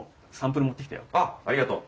あっありがとう。